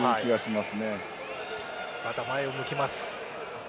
また前を向きます。